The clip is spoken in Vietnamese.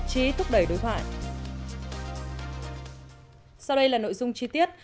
sau đây là nội dung chi tiết